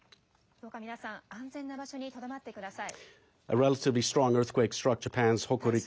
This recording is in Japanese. どうか皆さん、安全な場所にとどまってください。